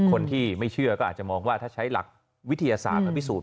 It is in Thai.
คนที่ไม่เชื่อก็อาจจะมองว่าถ้าใช้หลักวิทยาศาสตร์มาพิสูจน